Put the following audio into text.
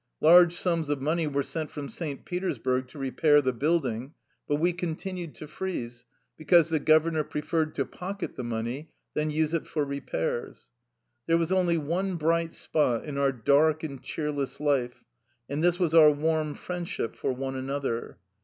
Large sums of money were sent from St. Petersburg to repair the building, but we continued to freeze because the governor pre ferred to pocket the money than use it for repairs. There was only one bright spot in our dark and cheerless life, and this was our warm friend ship for one another.